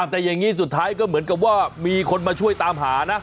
แต่อย่างนี้สุดท้ายก็เหมือนกับว่ามีคนมาช่วยตามหานะ